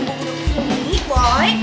bu duduk disini